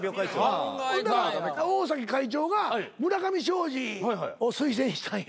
ほな大崎会長が村上ショージを推薦したんや。